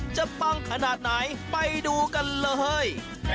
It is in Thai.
ปังขนาดไหนไปดูกันเลย